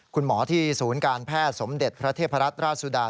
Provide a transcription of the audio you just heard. คุณหมอที่ศูนย์การแพทย์สมเด็จพระเทพรัตนราชสุดา